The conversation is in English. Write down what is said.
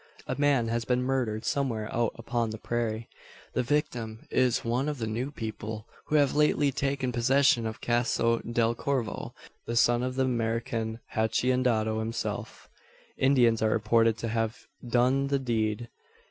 A man has been murdered somewhere out upon the prairie. The victim is one of the new people who have lately taken possession of Caso del Corvo the son of the American haciendado himself. Indians are reported to have done the deed.